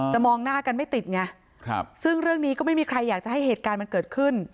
มองหน้ากันไม่ติดไงซึ่งเรื่องนี้ก็ไม่มีใครอยากจะให้เหตุการณ์มันเกิดขึ้น